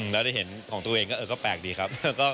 แล้วได้เห็นของตัวเองก็แปลกดีครับ